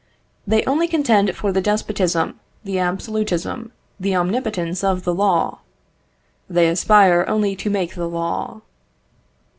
They only contend for the despotism, the absolutism, the omnipotence of the law. They aspire only to make the law.